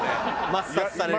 抹殺されるかも。